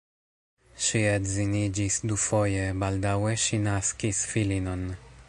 Ŝi edziniĝis dufoje, baldaŭe ŝi naskis filinon.